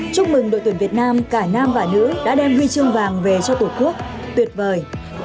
chúc mừng đội tuyển việt nam cả nam và nữ đã đem huy chương vàng về cho tổ quốc tuyệt vời